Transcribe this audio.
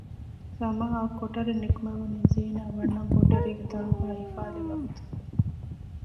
ސަމާއަށް ކޮޓަރިން ނުކުމެވުނީ ޒީނާ ވަންނަން ކޮޓަރީގެ ތަޅުގައި ހިފާލި ވަގުތު